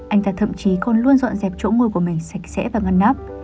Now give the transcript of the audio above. anh ta thậm chí còn luôn dọn dẹp chỗ ngôi của mình sạch sẽ và ngăn nắp